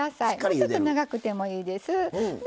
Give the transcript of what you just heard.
もうちょっと長くてもいいです。